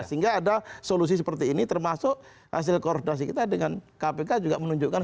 sehingga ada solusi seperti ini termasuk hasil koordinasi kita dengan kpk juga menunjukkan